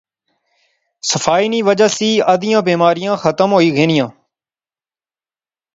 صفائی نی وجہ سی ادیاں بیماریاں ختم ہوئی غنیاں